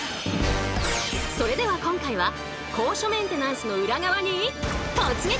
それでは今回は高所メンテナンスの裏側に突撃！